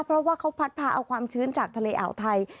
เพราะว่าเขาพัดพาเอาความชื้นจากทะเลอ่าวไทย